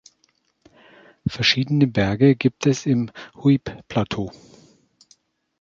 Verschiedene Berge gibt es im Huib-Plateau.